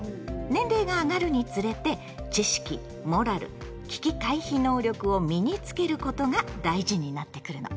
年齢が上がるにつれて知識・モラル・危機回避能力を身につけることが大事になってくるの。